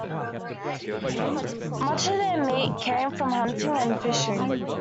Much of their meat came from hunting and fishing.